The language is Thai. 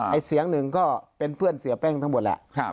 ไอ้เสียงหนึ่งก็เป็นเพื่อนเสียแป้งทั้งหมดแหละ